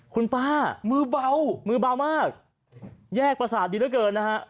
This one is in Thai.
คุณป้ามือเบามือเบามากแยกประสาทดีเหลือเกินนะฮะ